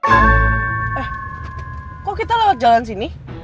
eh kok kita lewat jalan sini